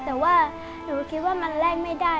แต่ว่าหนูคิดว่ามันแลกไม่ได้